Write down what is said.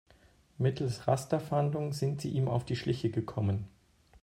Mittels Rasterfahndung sind sie ihm auf die Schliche gekommen.